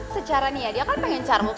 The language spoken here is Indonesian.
secara niat dia kan pengen jalan jalan gitu kan